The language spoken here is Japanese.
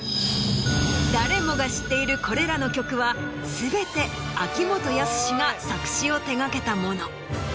誰もが知っているこれらの曲は全て秋元康が作詞を手掛けたもの。